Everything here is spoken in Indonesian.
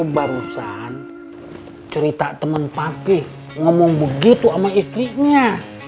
itu barusan cerita temen papi ngomong begitu sama istrinya